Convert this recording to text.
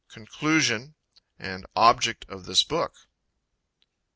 Conclusion Object of this Book.